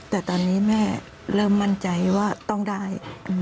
แต่ตอนนี้แม่เริ่มมั่นใจว่าต้องได้